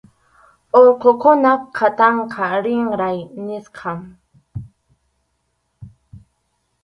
Urqukunap qhatanqa kinray nisqam.